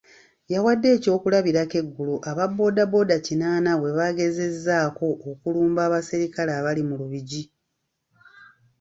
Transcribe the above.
Yawadde eky'okulabirako eggulo aba bbooda bbooda kinaana bwe baagezezzaako okulumba abasirikale abali mu Lubigi.